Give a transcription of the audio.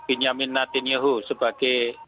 bin yamin nadinehu sebagai